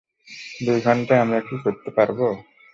দুই ঘণ্টায় আমরা কী করতে পারব?